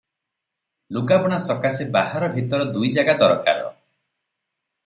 ଲୁଗାବୁଣା ସକାଶେ ବାହାର ଭିତର ଦୁଇ ଜାଗା ଦରକାର ।